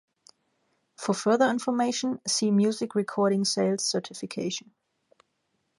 For further information, see Music recording sales certification.